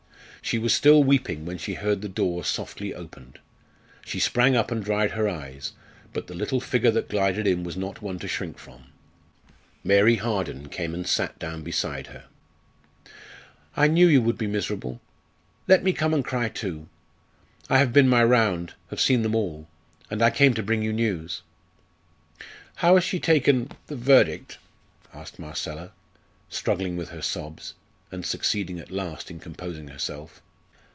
She was still weeping when she heard the door softly opened. She sprang up and dried her eyes, but the little figure that glided in was not one to shrink from. Mary Harden came and sat down beside her. "I knew you would be miserable. Let me come and cry too. I have been my round have seen them all and I came to bring you news." "How has she taken the verdict?" asked Marcella, struggling with her sobs, and succeeding at last in composing herself.